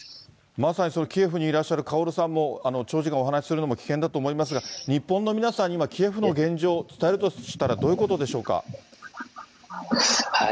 まさにキエフにいらっしゃるカオルさんも、長時間お話しするのも危険だと思いますが、日本の皆さんに今、キエフの現状、伝えるとしたらどういうことでしょうか。